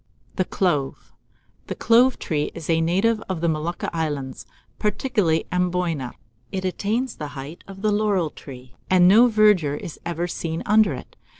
] THE CLOVE. The clove tree is a native of the Molucca Islands, particularly Amboyna, and attains the height of a laurel tree, and no verdure is ever seen under it.